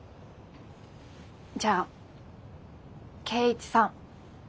じゃあ圭一さん。